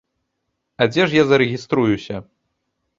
А дзе ж я зарэгіструюся?